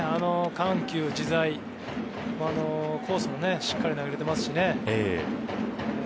緩急自在コースもしっかり投げれていますしね。